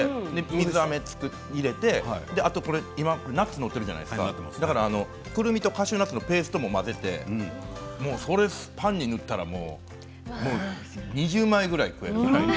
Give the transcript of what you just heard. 水あめを入れて今はナッツが載っているじゃないですかくるみとカシューナッツのペーストも混ぜてそれをパンに塗ったら２０枚ぐらい食える。